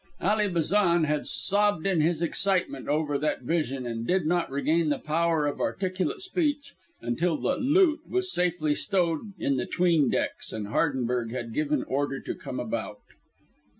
Ally Bazan had sobbed in his excitement over that vision and did not regain the power of articulate speech till the "loot" was safely stowed in the 'tween decks and Hardenberg had given order to come about.